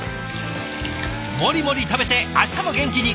モリモリ食べて明日も元気に。